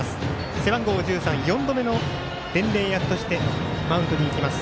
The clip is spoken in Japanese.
背番号１３、４度目の伝令役としてマウンドに行きます